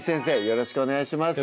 よろしくお願いします